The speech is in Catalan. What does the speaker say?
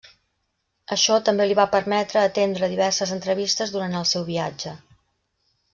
Això també li va permetre atendre diverses entrevistes durant el seu viatge.